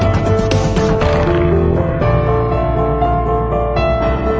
วิ่งเป็นโรงแรมนี้ก็จะรู้ได้ว่ามันเป็นการให้พลัฒน์ไลน์